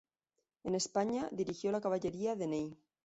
En España dirigió la caballería de Ney.